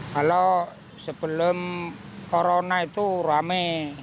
kalau sebelum corona itu rame